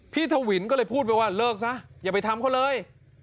ทวินก็เลยพูดไปว่าเลิกซะอย่าไปทำเขาเลย